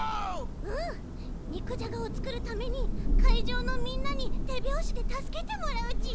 うんにくじゃがをつくるためにかいじょうのみんなにてびょうしでたすけてもらうち。